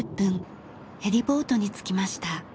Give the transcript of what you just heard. ヘリポートに着きました。